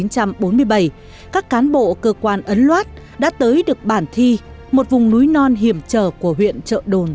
các cán bộ cơ quan ấn loát đã tới được bản thi một vùng núi non hiểm trở của huyện trợ đồn